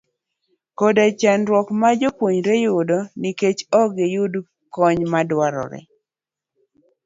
koda chandruok ma jopuonjre yudo nikech ok giyud kony madwarore.